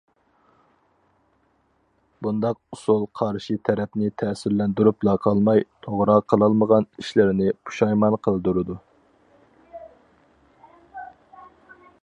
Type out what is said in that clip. بۇنداق ئۇسۇل قارشى تەرەپنى تەسىرلەندۈرۈپلا قالماي، توغرا قىلالمىغان ئىشلىرىنى پۇشايمان قىلدۇرىدۇ.